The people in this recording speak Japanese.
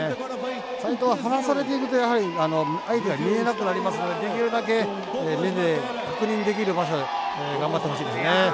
齋藤は離されていると相手が見えなくなりますのでできるだけ、目で確認できる場所頑張ってほしいですね。